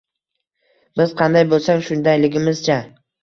Biz qanday bo‘lsak shundayligimizcha